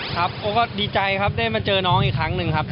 ครับโอ้ก็ดีใจครับได้มาเจอน้องอีกครั้งหนึ่งครับ